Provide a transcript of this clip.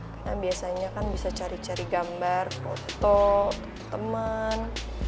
karena biasanya kan bisa cari cari gambar foto teman